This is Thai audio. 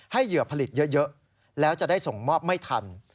เหยื่อผลิตเยอะแล้วจะได้ส่งมอบไม่ทัน